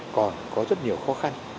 còn có rất nhiều khó khăn